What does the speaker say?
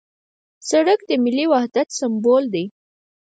سړک د ملي وحدت سمبول دی.